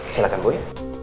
silahkan bu ya